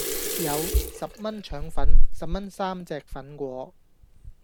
有,十蚊腸粉,十蚊三隻粉果